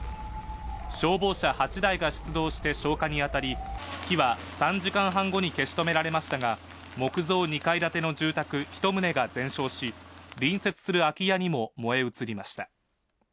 消防車８台が出動して消火にあたり、火は３時間半後に消し止められましたが、木造２階建ての住宅一棟が全焼し、隣接する空き家にも燃え移りました。